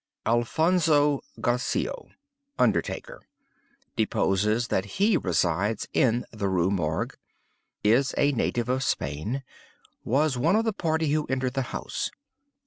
"Alfonzo Garcio, undertaker, deposes that he resides in the Rue Morgue. Is a native of Spain. Was one of the party who entered the house.